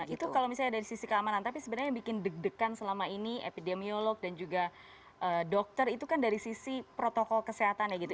itu kalau misalnya dari sisi keamanan tapi sebenarnya yang bikin deg degan selama ini epidemiolog dan juga dokter itu kan dari sisi protokol kesehatan ya gitu